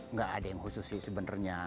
nggak ada yang khusus sih sebenarnya